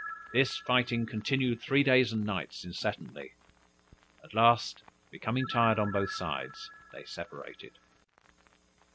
This fighting continued three days and nights incessantly; at last, becoming tired on both sides, they separated.